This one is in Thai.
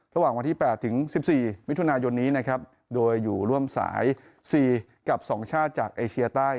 ระหว่างวันที่๘ถึง๑๔มิถุนายนนี้นะครับโดยอยู่ร่วมสาย๔กับ๒ชาติจากเอเชียใต้